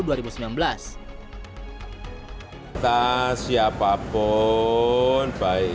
kita siapapun baik itu